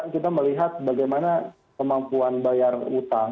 kita melihat bagaimana kemampuan bayar utang